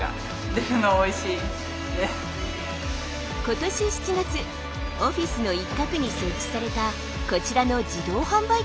今年７月オフィスの一角に設置されたこちらの自動販売機。